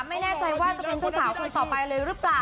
ไม่แน่ใจว่าจะเป็นเจ้าสาวคนต่อไปเลยหรือเปล่า